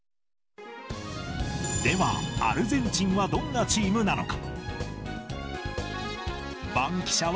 では、アルゼンチンはどんなチームなのか。